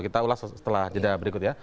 kita ulas setelah jeda berikutnya